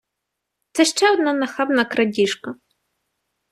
Це ще одна нахабна крадіжка.